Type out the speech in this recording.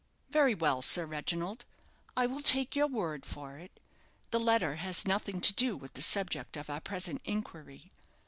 "Very well, Sir Reginald, I will take your word for it. The letter has nothing to do with the subject of our present inquiry.